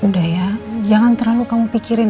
udah ya jangan terlalu kamu pikirin